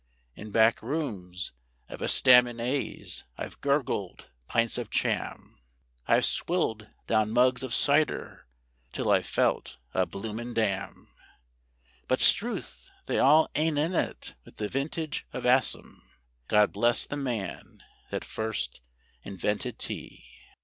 In back rooms of estaminays I've gurgled pints of cham; I've swilled down mugs of cider till I've felt a bloomin' dam; But 'struth! they all ain't in it with the vintage of Assam: God bless the man that first invented Tea!